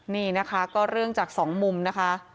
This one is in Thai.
นี่นะคะก็เรื่องจากสองมุมนะคะ